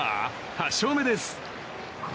８勝目です。